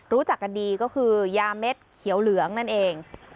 รู้จักกันดีก็คือยาเม็ดเขียวเหลืองนั่นเอง